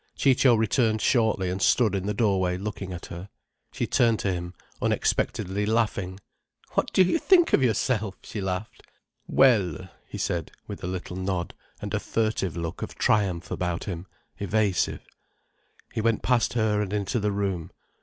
Ciccio returned shortly, and stood in the doorway looking at her. She turned to him, unexpectedly laughing. "What do you think of yourself?" she laughed. "Well," he said, with a little nod, and a furtive look of triumph about him, evasive. He went past her and into the room.